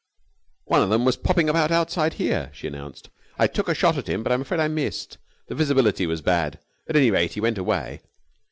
"One of them was popping about outside here," she announced. "I took a shot at him, but I'm afraid I missed. The visibility was bad. At any rate he went away."